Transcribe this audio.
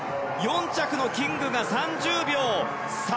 ４着のキングが３０秒３５。